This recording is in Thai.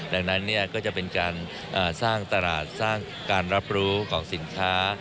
ดังนั้นก็จะเป็นการสร้างตลาดสร้างการรับรู้ของสินค้า